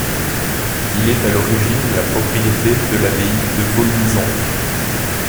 Il est à l'origine la propriété de l'abbaye de Vauluisant.